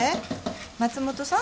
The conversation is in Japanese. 松本さん？